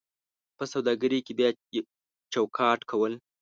په سوداګرۍ کې بیا چوکاټ کول: